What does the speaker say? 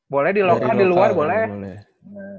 boleh di lokan di luar boleh